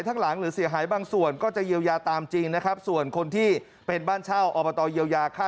ก็ไม่ได้ออกมาสักครั้งไม่กล้าหลับเลยกลัว